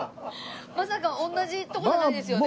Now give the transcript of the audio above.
まさか同じ所じゃないですよね？